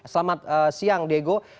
selamat siang diego